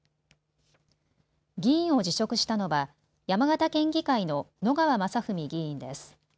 議員を辞職したのは山形県議会の野川政文議員です。